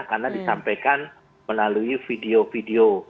karena disampaikan melalui video video